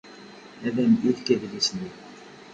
Ad am-d-yefk adlis-nni.